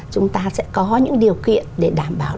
chúng ta sẽ có những điều kiện để đảm bảo